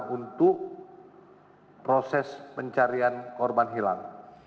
untuk proses pencarian korban hilang